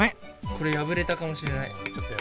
これ破れたかもしれない。